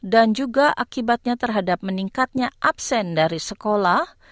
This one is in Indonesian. dan juga akibatnya terhadap meningkatnya absen dari sekolah